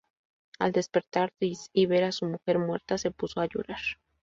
Al despertar Drizzt y ver a su mujer muerta, se puso a llorar.